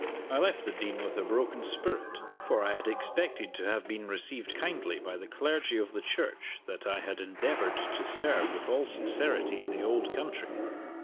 I left the Dean with a broken spirit, for I had expected to have been received kindly by the clergy of the church that I had endeavored to serve with all sincerity in the old country.